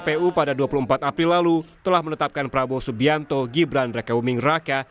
kpu pada dua puluh empat april lalu telah menetapkan prabowo subianto gibran raka buming raka